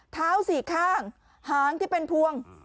สี่ข้างหางที่เป็นพวง